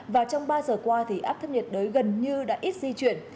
và trong ba giờ qua thì áp thấp nhiệt đới gần như đã ít di chuyển